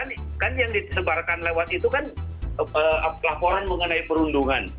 kan yang disebarkan lewat itu kan laporan mengenai perundungan